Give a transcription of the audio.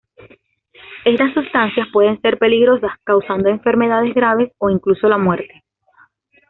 Estas sustancias pueden ser peligrosas, causando enfermedades graves o incluso la muerte.